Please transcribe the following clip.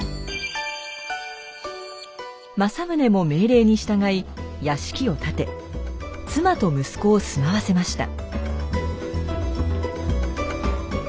政宗も命令に従い屋敷を建て妻と息子を住まわせました。